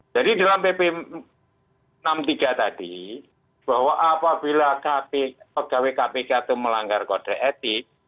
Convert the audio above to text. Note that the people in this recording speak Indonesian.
jadi dalam pp enam puluh tiga tadi bahwa apabila pegawai kpk itu melanggar kode etik